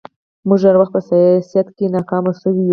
موږ هر وخت په سياست کې ناکام شوي يو